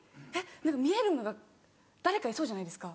見えるのが誰かいそうじゃないですか。